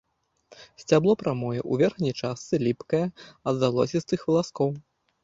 Сцябло прамое, у верхняй частцы ліпкае ад залозістых валаскоў.